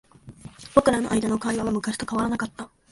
僕らの間の会話は昔と変わらなかった。